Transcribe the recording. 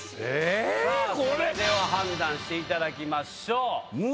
それでは判断していただきましょう。